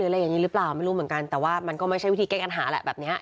อะไรอย่างนี้หรือเปล่าไม่รู้เหมือนกันแต่ว่ามันก็ไม่ใช่วิธีแก้ปัญหาแหละแบบนี้